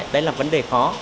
đấy là vấn đề khó